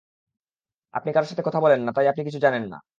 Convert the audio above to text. আপনি কারো সাথে কথা বলেন না, তাই আপনি কিছু জানেন না।